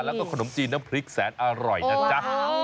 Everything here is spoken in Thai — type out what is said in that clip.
แล้วก็ขนมจีนน้ำพริกแสนอร่อยนะจ๊ะ